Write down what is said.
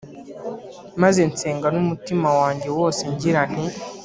maze nsenga n’umutima wanjye wose, ngira nti